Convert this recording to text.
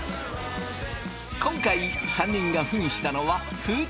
今回３人がふんしたのは封筒。